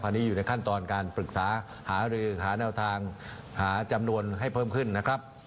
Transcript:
อันนี้อยู่ในขั้นตอนการปรึกษาหารือหาแนวทางหาจำนวนให้เพิ่มขึ้นนะครับ